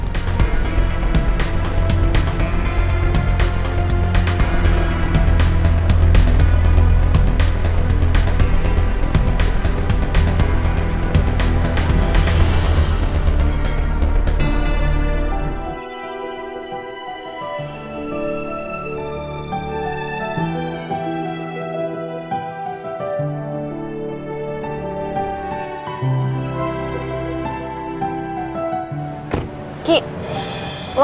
sampai jumpa lagi